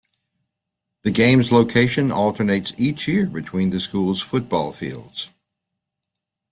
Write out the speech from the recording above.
The game's location alternates each year between the schools' football fields.